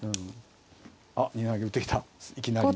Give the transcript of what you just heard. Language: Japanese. あっ２七桂打ってきたいきなり。